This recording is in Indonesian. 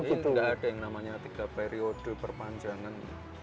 ini nggak ada yang namanya tiga periode perpanjangan